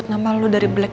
ternyata dia ngajak